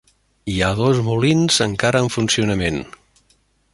Hi ha dos molins encara en funcionament.